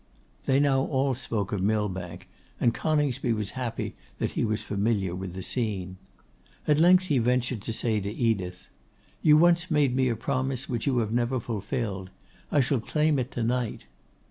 They now all spoke of Millbank, and Coningsby was happy that he was familiar with the scene. At length he ventured to say to Edith, 'You once made me a promise which you never fulfilled. I shall claim it to night.